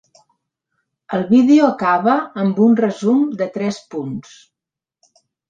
El vídeo acaba amb un resum de tres punts.